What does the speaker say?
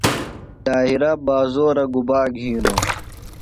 طاہرہ بازورہ گُبا گِھینوۡ؟